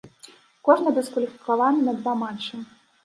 Кожны дыскваліфікаваны на два матчы.